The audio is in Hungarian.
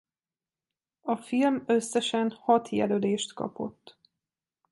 A film összesen hat jelölést kapott.